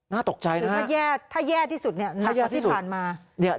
น่าตกใจนะฮะหรือถ้าแย่ที่สุดหลังจากที่ผ่านมาหลังจากที่เราเคยเจอ